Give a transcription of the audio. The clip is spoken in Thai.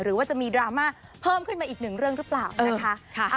หรือว่าจะมีดราม่าเพิ่มขึ้นมาอีกหนึ่งเรื่องหรือเปล่านะคะ